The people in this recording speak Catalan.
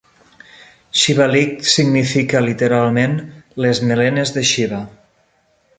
Shivalik significa literalment "les melenes de Shiva".